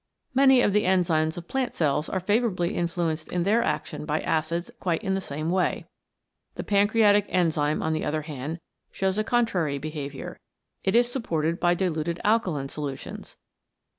Many of the enzymes of plant cells are favourably influenced in their action by acids quite in the same way. The pancreatic enzyme on the other hand shows a contrary behaviour. It is supported by diluted alkaline solutions.